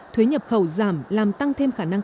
thuế nhập khẩu giảm làm tăng thêm khả năng